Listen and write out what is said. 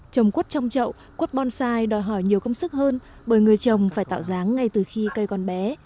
trồng cốt trong trậu cốt bonsai đòi hỏi nhiều công sức hơn bởi người trồng phải tạo dáng ngay từ khi cây còn bé